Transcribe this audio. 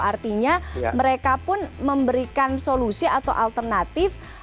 artinya mereka pun memberikan solusi atau alternatif